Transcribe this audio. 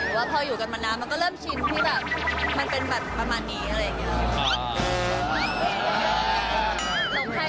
ว่าพออยู่กันมานานมันก็เริ่มชินที่แบบมันเป็นแบบประมาณนี้อะไรอย่างนี้